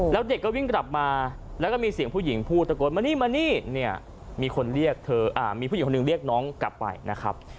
แล้วเด็กก็วิ่งกลับมาแล้วก็มีเสียงผู้หญิงพูดตะโกนมานี่มานี่เนี่ยมีคนเรียกเธอมีผู้หญิงคนหนึ่งเรียกน้องกลับไปนะครับ